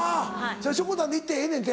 しょこたんで行ってええねんて。